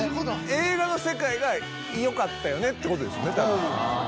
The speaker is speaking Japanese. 映画の世界がよかったよねってことですよねああ